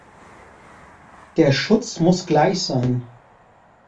Der Schutz muss gleich sein.